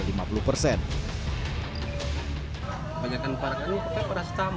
banyakkan parkirnya keperas tamu